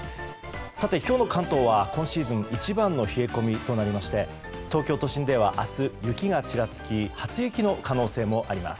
今日の関東は今シーズン一番の冷え込みとなりまして東京都心では明日、雪がちらつき初雪の可能性もあります。